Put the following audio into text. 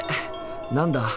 何だ？